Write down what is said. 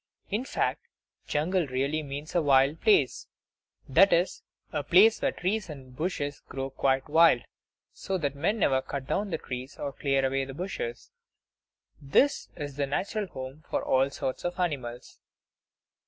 In fact, jungle really means a wild place; that is, a place where trees and bushes grow quite wild, so that men never cut down the trees or clear away the bushes. That is the natural home for all sorts of animals.